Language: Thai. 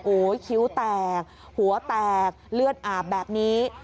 โอ้โหคิ้วแตกหัวแตกเลือดอาบแบบนี้